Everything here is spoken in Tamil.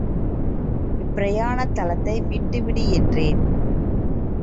இப் பிரயத் தனத்தை விட்டுவிடு என்றேன்.